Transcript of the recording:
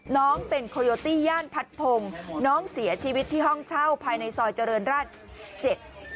น้องเป็นโคโยตี้ย่านพัดพงศ์น้องเสียชีวิตที่ห้องเช่าภายในซอยเจริญราชเจ็ด